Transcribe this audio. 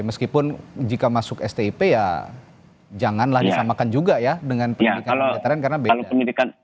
meskipun jika masuk stip ya janganlah disamakan juga ya dengan pendidikan pendataran karena beda